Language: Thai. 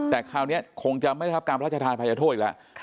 แต่คราวนี้คงจะไม่ได้รับการพระราชทานภัยโทษอีกแล้ว